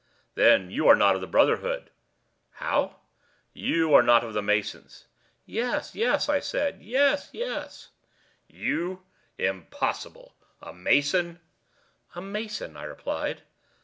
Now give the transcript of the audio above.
"Then you are not of the brotherhood." "How?" "You are not of the masons." "Yes, yes," I said, "yes, yes." "You? Impossible! A mason?" "A mason," I replied.